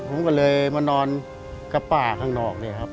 ผมก็เลยมานอนกับป้าข้างนอก